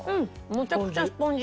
めちゃくちゃスポンジ。